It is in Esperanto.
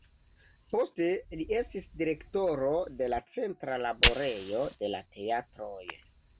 Poste li estis direktoro de la Centra Laborejo de la Teatroj.